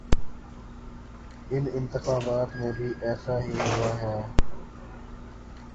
ان انتخابات میں بھی ایسا ہی ہوا۔